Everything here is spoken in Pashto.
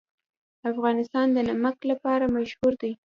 افغانستان د نمک لپاره مشهور دی.